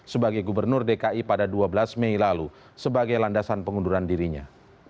sebagai gubernur dki pada dua belas mei lalu sebagai landasan pengunduran dirinya